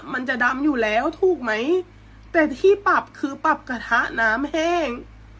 มันจะดำอยู่แล้วถูกไหมแต่ที่ปรับคือปรับกระทะน้ำแห้ง